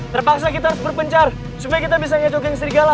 terpaksa kita harus berpencar supaya kita bisa ngejogeng serigala